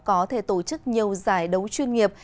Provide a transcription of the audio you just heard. có thể tổ chức nhiều giải đấu chuyên nghiệp